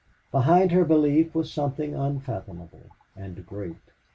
Behind her belief was something unfathomable and great.